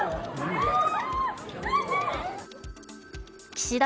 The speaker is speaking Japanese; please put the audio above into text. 岸田